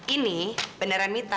ini beneran mita